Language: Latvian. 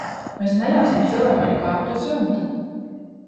Mēs neļausim cilvēkam kāpt uz jumta.